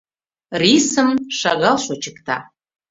Рисым шагал шочыкта.